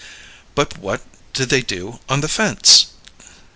"But what do they do on the fence?"